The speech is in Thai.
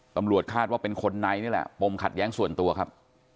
ตำรวจคาดว่าเป็นคนในนี่แหละปมขัดแย้งส่วนตัวครับ